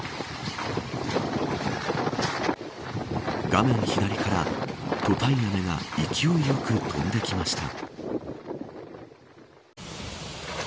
画面左からトタン屋根が勢いよく飛んできました。